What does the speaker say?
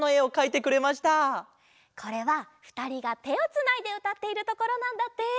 これはふたりがてをつないでうたっているところなんだって。